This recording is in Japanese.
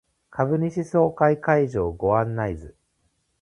株主総会会場ご案内図